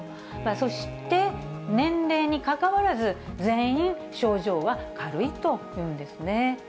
そして、年齢にかかわらず、全員、症状は軽いというんですね。